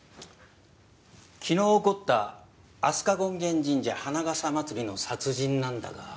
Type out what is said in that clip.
昨日起こった飛鳥権現神社花笠祭りの殺人なんだが。